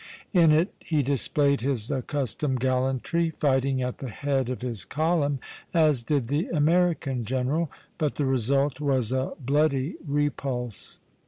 In it he displayed his accustomed gallantry, fighting at the head of his column, as did the American general; but the result was a bloody repulse.